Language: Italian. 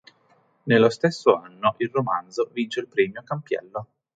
Nello stesso anno il romanzo vince il premio Campiello.